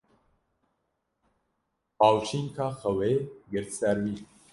Bawşînka xewê girt ser wî.